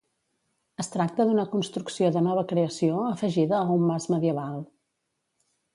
Es tracta d'una construcció de nova creació afegida a un mas medieval.